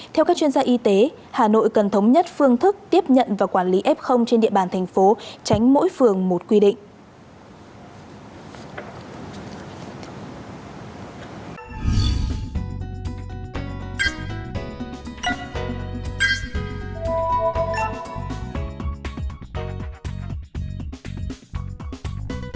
theo các chuyên gia y tế hà nội cần thống nhất phương thức tiếp nhận và quản lý f trên địa bàn thành phố tránh mỗi phường một quy định